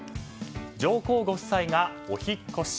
上皇ご夫妻がお引っ越し。